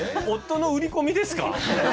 夫の売り込みですか？